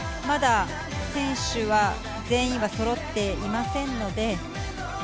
まだ選手は全員そろっていませんので。